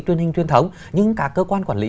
truyền hình truyền thống nhưng các cơ quan quản lý